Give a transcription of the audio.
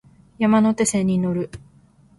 山手線に乗る